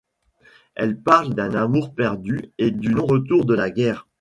Elle parle d'un amour perdu, et du non-retour de la guerre.